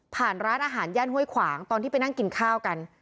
ร้านอาหารย่านห้วยขวางตอนที่ไปนั่งกินข้าวกัน